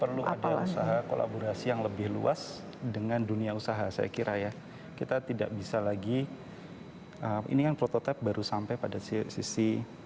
perlu ada usaha kolaborasi yang lebih luas dengan dunia usaha saya kira ya kita tidak bisa lagi ini kan prototipe baru sampai pada sisi